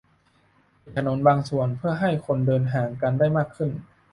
- ปิดถนนบางส่วน เพื่อให้คนเดินห่างกันได้มากขึ้น